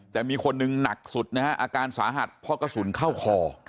แต่มีคนหนึ่งหนักสุดนะฮะอาการสาหัสเพราะกระสุนเข้าคอ